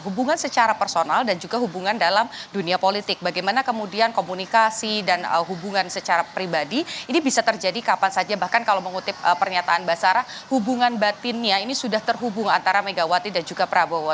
hubungan secara personal dan juga hubungan dalam dunia politik bagaimana kemudian komunikasi dan hubungan secara pribadi ini bisa terjadi kapan saja bahkan kalau mengutip pernyataan basara hubungan batinnya ini sudah terhubung antara megawati dan juga prabowo